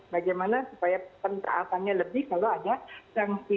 bagaimana supaya pentaatannya lebih kalau ada sanksi